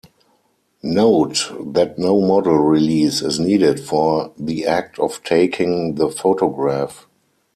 Note that no model release is needed for the act of taking the photograph.